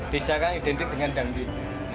desa kan identik dengan dangdut